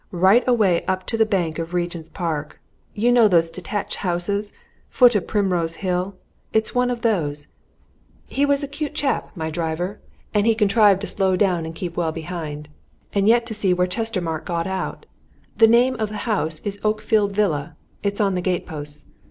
right away up to the back of Regent's Park. You know those detached houses foot of Primrose Hill? It's one of those he was a cute chap, my driver, and he contrived to slow down and keep well behind, and yet to see where Chestermarke got out. The name of the house is Oakfield Villa it's on the gateposts.